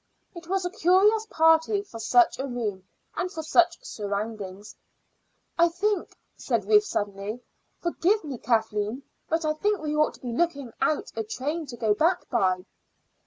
It was a curious party for such a room and for such surroundings. "I think " said Ruth suddenly. "Forgive me, Kathleen, but I think we ought to be looking out a train to go back by."